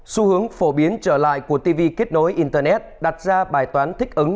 xu hướng phổ biến trở lại của tv kết nối internet đặt ra bài toán thích ứng